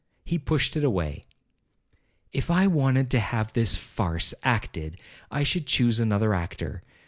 He pushed it away. 'If I wanted to have this farce acted, I should choose another actor.